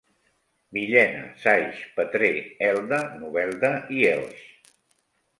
Villena, Saix, Petrer, Elda, Novelda i Elx.